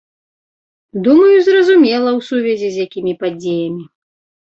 Думаю, зразумела, у сувязі з якімі падзеямі.